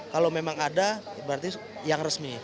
kalau memang ada berarti yang resmi